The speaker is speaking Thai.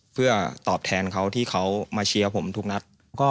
เพื่อตอบแทนเขาที่เขามาเชียร์ผมทุกนัด